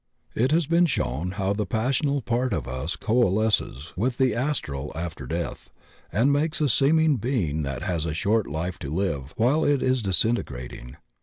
It has been shown how the passional part of us coa lesces with the astral after death and makes a seeming being that has a short life to live while it is disinte grating.